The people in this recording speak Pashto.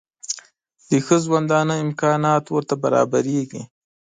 د ښه ژوندانه امکانات ورته برابرېږي.